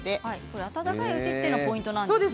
温かいうちにというのがポイントなんですね。